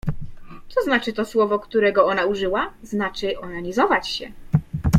— Co znaczy to słowo, którego ona użyła? — Znaczy: onanizować się.